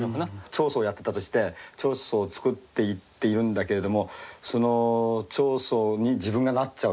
彫塑をやってたとして彫塑を作っていっているんだけれどもその彫塑に自分がなっちゃう。